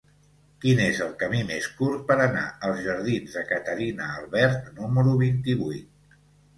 Quin és el camí més curt per anar als jardins de Caterina Albert número vint-i-vuit?